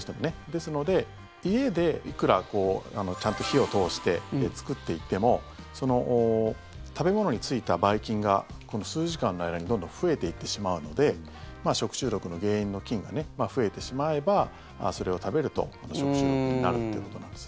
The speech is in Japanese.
ですので、家でいくらちゃんと火を通して作っていてもその食べ物についたばい菌がこの数時間の間にどんどん増えていってしまうので食中毒の原因の菌が増えてしまえば、それを食べると食中毒になるってことなんです。